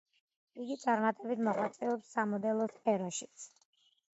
იგი წარმატებით მოღვაწეობს სამოდელო სფეროშიც.